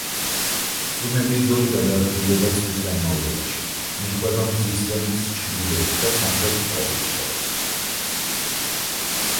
წვიმების ზოლი გადაადგილდება წლის განმავლობაში, მიჰყვება მზის ზენიტს ჩრდილოეთ და სამხრეთ ტროპიკს შორის.